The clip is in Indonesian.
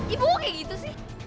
ibu kayak gitu sih